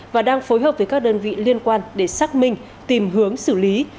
và đang phối hợp với các đơn vị liên quan để xác minh tìm hướng xử lý